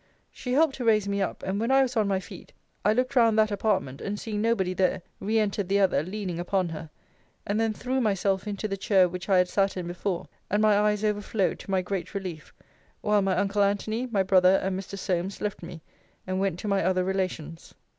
She helped to raise me up; and when I was on my feet, I looked round that apartment, and seeing nobody there, re entered the other, leaning upon her; and then threw myself into the chair which I had sat in before; and my eyes overflowed, to my great relief: while my uncle Antony, my brother, and Mr. Solmes, left me, and went to my other relations.